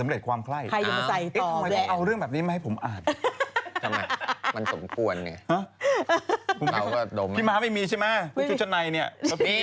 เอาเรื่องแบบนี้ไหมผมอ่านมันสมควรเนี่ยพี่ไม่มีใช่ไหม